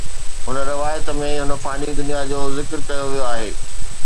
هن روايت ۾ هن فاني دنيا جو ذڪر ڪيو ويو آهي